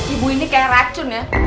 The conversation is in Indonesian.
ibu ini kayak racun ya